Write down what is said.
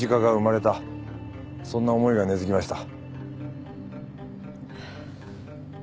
そんな思いが根づきました。